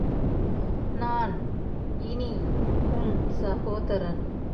நான் இனி உன் சகோதரன்.